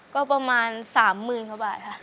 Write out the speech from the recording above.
ก็ประมาณสามหมื่นกว่าบาทครับ